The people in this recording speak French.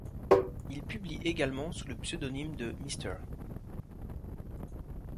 Il publie également sous le pseudonyme de Mr.